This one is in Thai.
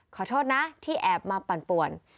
ขอโทษนะที่แอบมาปั่นป่วน